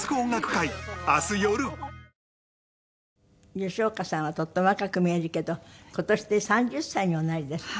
吉岡さんはとっても若く見えるけど今年で３０歳におなりですって？